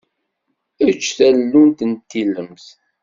Eǧǧ tallunt d tilemt.